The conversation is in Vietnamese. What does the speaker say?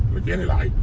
là che này lại